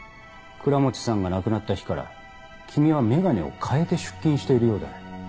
倉持さんが亡くなった日から君はメガネを変えて出勤しているようだね。